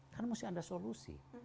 kan mesti ada solusi